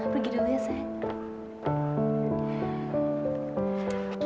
pergi dulu ya sayang